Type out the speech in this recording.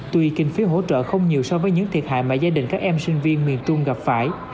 tuy kinh phí hỗ trợ không nhiều so với những thiệt hại mà gia đình các em sinh viên miền trung gặp phải